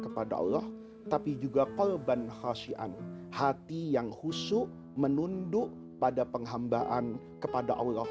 kepada allah tapi juga kolban khasyian hati yang husu menunduk pada penghambaan kepada allah